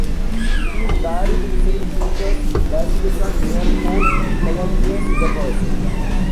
He is buried in Saint Peter's Basilica near Pope Pelagius the First.